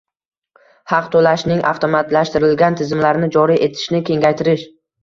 haq to‘lashning avtomatlashtirilgan tizimlarini joriy etishni kengaytirish;